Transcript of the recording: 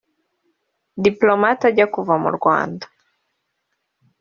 Diplomate ajya kuva mu Rwanda